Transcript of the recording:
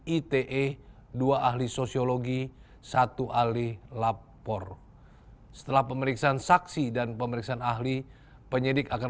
ite dua ahli sosiologi satu ahli lapor setelah pemeriksaan saksi dan pemeriksaan ahli penyidik akan